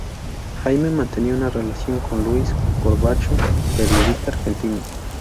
Jaime, mantenía una relación con Luis Corbacho, periodista argentino"".